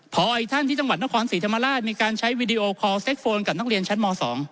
พออีกท่านที่จังหวัดนครศรีธรรมราชมีการใช้วีดีโอคอลเซ็กโฟนกับนักเรียนชั้นม๒